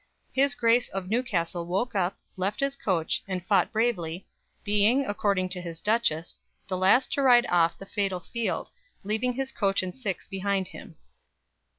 His Grace of Newcastle woke up, left his coach, and fought bravely, being, according to his Duchess, the last to ride off the fatal field, leaving his coach and six behind him.